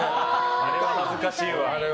あれは恥ずかしいわ。